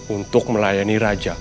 untuk melayani raja